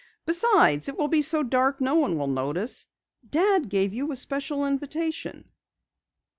Besides, it will be so dark no one will notice. Dad gave you a special invitation."